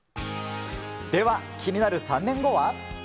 では、気になる３年後は？